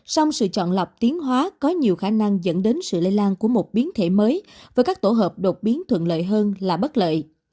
song sự chọn lọc tiến hóa có nhiều khả năng dẫn đến sự lây lan của một biến thể mới với các tổ hợp đột biến thuận lợi hơn là bất lợi